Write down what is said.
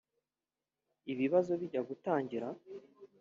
Ibibazo bijya gutangira